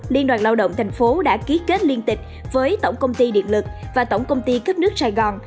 liên đoàn lao động thành phố đã ký kết liên tịch với tổng công ty điện lực và tổng công ty khắp nước sài gòn